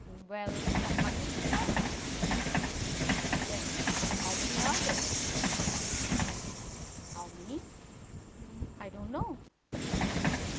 "Well, some hundreds of times." "Then how many are there?" "How many? I don't know."